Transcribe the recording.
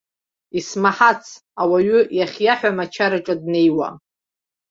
Исмаҳац, ауаҩы иахьиаҳәам ачараҿы днеиуа!